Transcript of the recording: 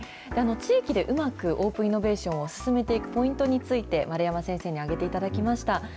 地域でうまく、オープンイノベーションを進めていくポイントについて、丸山先生に挙げていただきました。